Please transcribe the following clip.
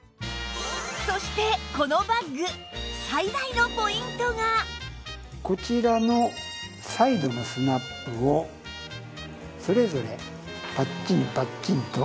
そしてこのバッグこちらのサイドのスナップをそれぞれパッチンパッチンと。